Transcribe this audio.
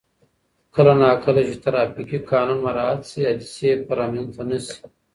کله نا کله چې ترافیک قانون مراعت شي، حادثې به رامنځته نه شي.